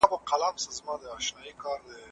ایا تکړه پلورونکي خندان پسته اخلي؟